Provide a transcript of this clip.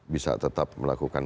bisa tetap melakukan